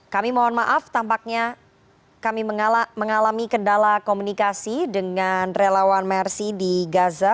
kami mohon maaf tampaknya kami mengalami kendala komunikasi dengan relawan mersi di gaza